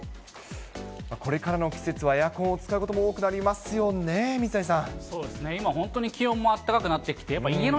これからの季節はエアコンを使うことも多くなりますよね、水谷さ